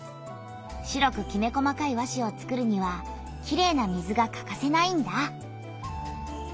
白くきめ細かい和紙を作るにはきれいな水がかかせないんだ。